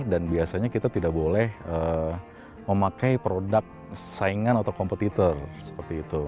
dan biasanya kita tidak boleh memakai produk saingan atau kompetitor